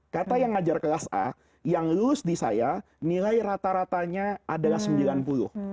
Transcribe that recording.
kata yang ngajar kelas a yang lulus di saya nilai rata ratanya adalah sembilan puluh